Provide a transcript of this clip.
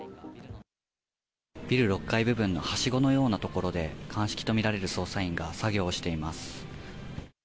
ビル６階部分のはしごのような所で、鑑識と見られる捜査員が作業をしています。